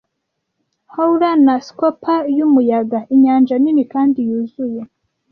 Howler na scooper yumuyaga, inyanja nini kandi yuzuye,